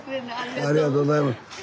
ありがとうございます。